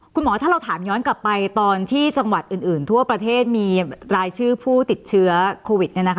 คุณหมอถ้าเราถามย้อนกลับไปตอนที่จังหวัดอื่นทั่วประเทศมีรายชื่อผู้ติดเชื้อโควิด